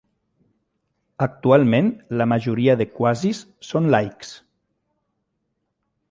Actualment la majoria de quazis són laics.